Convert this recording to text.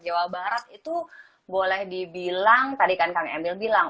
jawa barat itu boleh dibilang tadi kan kang emil bilang